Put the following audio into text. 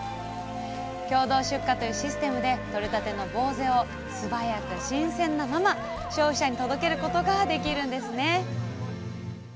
共同出荷というシステムでとれたてのぼうぜを素早く新鮮なまま消費者に届けることができるんですね！